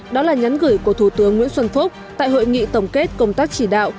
đó là nhắn gửi của thủ tướng nguyễn xuân phúc tại hội nghị tổng kết công tác chỉ đạo